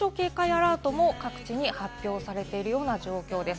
熱中症警戒アラートも各地に発表されているような状況です。